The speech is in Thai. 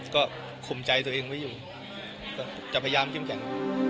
ก็คุมใจตัวเองไว้อยู่ก็จะพยายามเข้มแข็ง